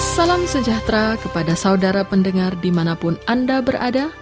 salam sejahtera kepada saudara pendengar dimanapun anda berada